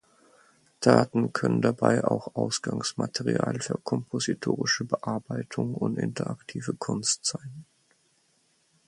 Daten können dabei auch Ausgangsmaterial für kompositorische Bearbeitung und interaktive Kunst sein.